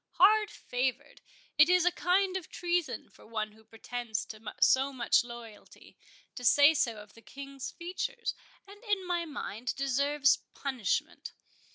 —Hard favoured?—it is a kind of treason for one who pretends to so much loyalty, to say so of the King's features, and in my mind deserves punishment.